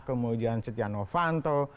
kemudian setia novanto